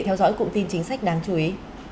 theo dõi cụ tin chính sách đáng chú ý